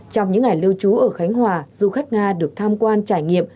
trong những ngày lưu trú ở khánh hòa du khách nga được tham quan trải nghiệm